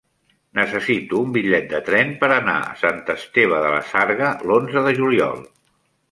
Necessito un bitllet de tren per anar a Sant Esteve de la Sarga l'onze de juliol.